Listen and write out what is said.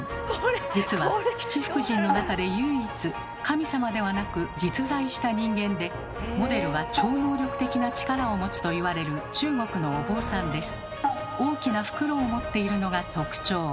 実は七福神の中で唯一神様ではなく実在した人間でモデルは超能力的な力を持つといわれる中国のお坊さんです。